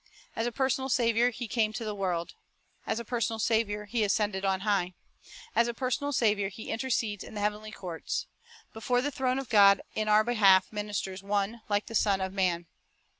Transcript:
As a personal Saviour, He came to the world. As a personal Saviour, He ascended on high. As a personal Saviour, He intercedes in the heavenly courts. Before the throne of God in our behalf ministers "One like the Son of man."